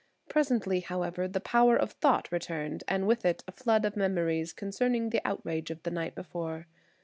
Presently, however, the power of thought returned and with it a flood of memories concerning the outrage of the night before.